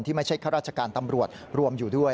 ไม่ใช่ข้าราชการตำรวจรวมอยู่ด้วย